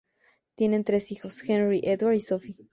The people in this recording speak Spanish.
Tiene tres niños: Henry, Edward, y Sophie.